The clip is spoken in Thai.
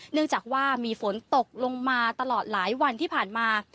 เนื่องจากว่ามีฝนตกลงมาตลอดหลายวันที่ผ่านมา